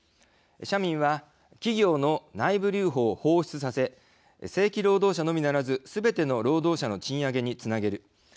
社民は企業の内部留保を放出させ正規労働者のみならずすべての労働者の賃上げにつなげる。